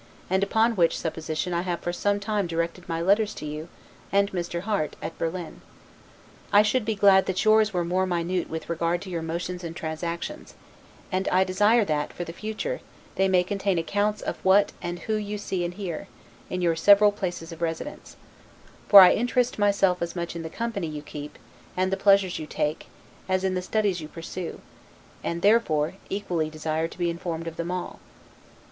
and upon which supposition I have for some time directed my letters to you, and Mr. Harte, at Berlin. I should be glad that yours were more minute with regard to your motions and transactions; and I desire that, for the future, they may contain accounts of what and who you see and hear, in your several places of residence; for I interest myself as much in the company you keep, and the pleasures you take, as in the studies you pursue; and therefore, equally desire to be informed of them all.